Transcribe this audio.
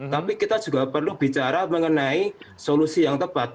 tapi kita juga perlu bicara mengenai solusi yang tepat